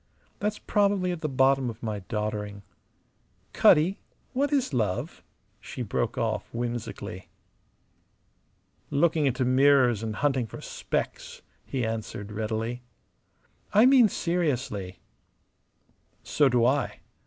That's probably at the bottom of my doddering. Cutty, what is love?" she broke off, whimsically. "Looking into mirrors and hunting for specks," he answered, readily. "I mean seriously." "So do I.